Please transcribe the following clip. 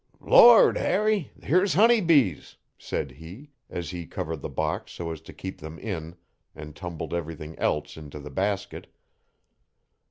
'Lord Harry! here's honey bees,' said he, as he covered the box so as to keep them in, and tumbled everything else into the basket.